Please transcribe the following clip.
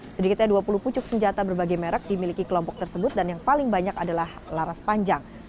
sedikitnya dua puluh pucuk senjata berbagai merek dimiliki kelompok tersebut dan yang paling banyak adalah laras panjang